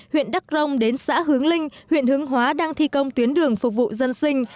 huyện đắc rông đến xã hướng linh huyện hướng hóa đang thi công tuyến đường phục vụ dân sinh